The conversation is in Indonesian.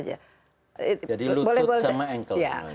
jadi lutut sama ankle